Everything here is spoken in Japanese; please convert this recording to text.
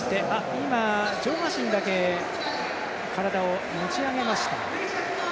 今、上半身だけ体を持ち上げました。